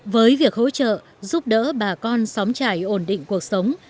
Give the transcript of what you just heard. với việc hỗ trợ giúp đỡ bà con xóm trải ổn định cuộc sống